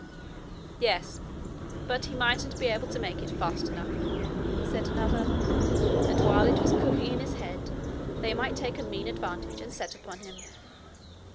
'Yes: but he mightn't be able to make it fast enough,' said another; 'and while it was cooking in his head, they might take a mean advantage and set upon him.'